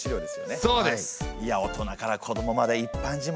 そうです！